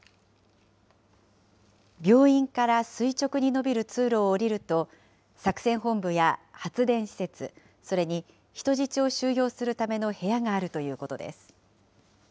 病院から垂直に延びる通路を下りると、作戦本部や発電施設、それに人質を収容するための部屋があるということです。